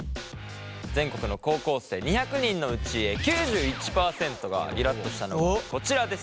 全国の高校生２００人のうち９１％がイラっとしたのがこちらです。